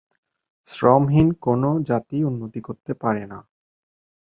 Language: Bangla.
শ্রমহীন কোনো জাতি উন্নতি করতে পারে না।